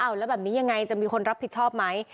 แล้วแบบนี้ยังไงจะมีคนรับผิดชอบไหม